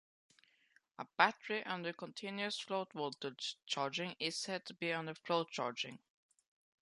A battery under continuous float voltage charging is said to be under float-charging.